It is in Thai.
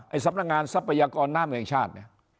ไอ้สำนักงานทรัพยากรน้ำแห่งชาติ